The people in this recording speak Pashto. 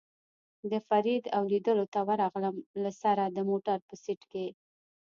د فرید او لېدلو ته ورغلم، له سره د موټر په سېټ کې.